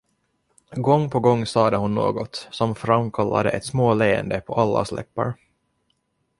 Gång på gång sade hon något, som framkallade ett småleende på allas läppar.